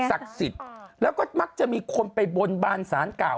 สิทธิ์แล้วก็มักจะมีคนไปบนบานสารเก่า